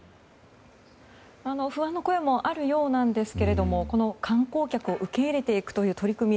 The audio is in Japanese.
不安の声もあるようなんですけれどもこの観光客を受け入れていくという取り組み